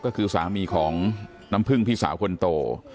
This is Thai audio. ก็คือสามีของน้ำพึ่งพี่สาวคนโต